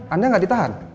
anda gak ditahan